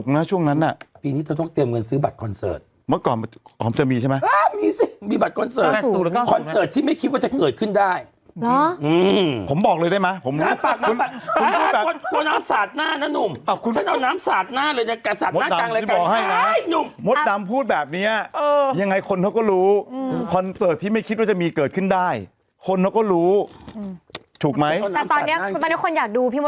ฟีมร้องนั้นน่ะปีนี้ต้องเตรียมเงินซื้อบัตรคอนเสิร์ตเมื่อก่อนผมจะมีใช่ไหมมีสิมีบัตรคอนเสิร์ตคอนเสิร์ตที่ไม่คิดว่าจะเกิดขึ้นได้ผมบอกเลยได้ไหม